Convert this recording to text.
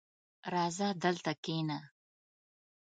راځه دلته کښېنه!